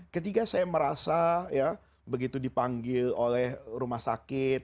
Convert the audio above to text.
ketika saya merasa ya begitu dipanggil oleh rumah sakit